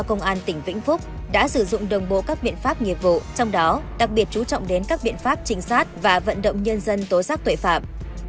lực lượng công an tỉnh vĩnh phúc đã sử dụng đồng bố các biện pháp nghiệp vụ trong đó đặc biệt chú trọng đến các biện pháp trinh sát và vận động nhân dân tố giác tuệ phạm